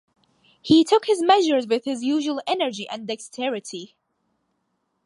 He took his measures with his usual energy and dexterity.